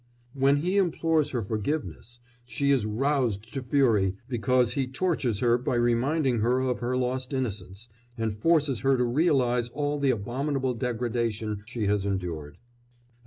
When he implores her forgiveness she is roused to fury because he tortures her by reminding her of her lost innocence, and forces her to realise all the abominable degradation she has endured.